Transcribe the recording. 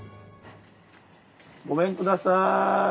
ごめんください。